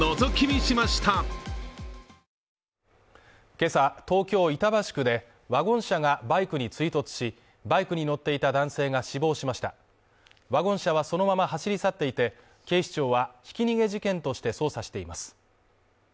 今朝、東京・板橋区で、ワゴン車がバイクに追突し、バイクに乗っていた男性が死亡しましたワゴン車はそのまま走り去っていて、警視庁はひき逃げ事件として捜査しています。